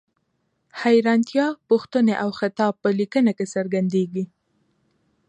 حیرانتیا، پوښتنې او خطاب په لیکنه کې څرګندیږي.